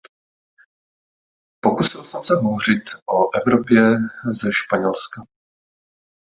Pokusil jsem se hovořit o Evropě ze Španělska.